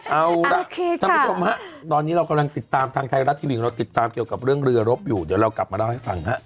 เอาล่ะท่านผู้ชมฮะตอนนี้เรากำลังติดตามทางไทยรัฐทีวีของเราติดตามเกี่ยวกับเรื่องเรือรบอยู่เดี๋ยวเรากลับมาเล่าให้ฟังฮะ